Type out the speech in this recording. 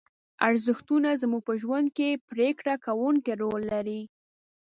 ارزښتونه زموږ په ژوند کې پرېکړه کوونکی رول لري.